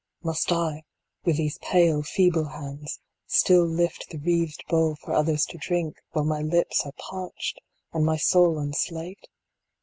Must I, with these pale, feeble hands, still lift the wreathed bowl for others to drink, while my lips are parched and my soul unslaked